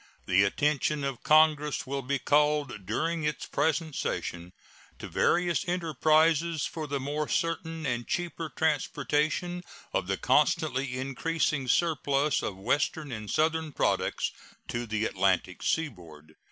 The attention of Congress will be called during its present session to various enterprises for the more certain and cheaper transportation of the constantly increasing surplus of Western and Southern products to the Atlantic Seaboard.